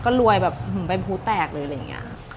ก็รวยแบบหืมเป็นผู้แตกเลยอะไรอย่างนี้